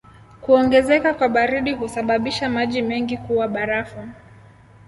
Kuongezeka kwa baridi husababisha maji mengi kuwa barafu.